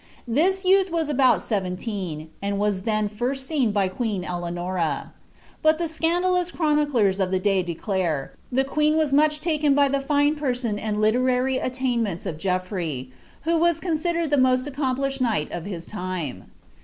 This youth was about seventeen, and was then first seen by queen Eleanora. But the scandalous chroniclers of the day declare, the queen was much taken by the fine person and literary attainments of Geofirey, who was considered the most accomplished knight of his time.